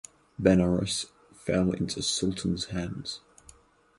Benaras fell into Sultan’s hands.